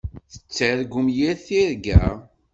Tettargumt yir tirga.